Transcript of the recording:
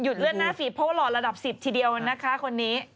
เลื่อนหน้าฝีเพราะว่าหล่อระดับ๑๐ทีเดียวนะคะคนนี้